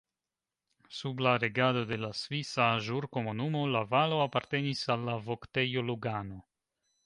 Sub la regado de la Svisa Ĵurkomunumo la valo apartenis al la Voktejo Lugano.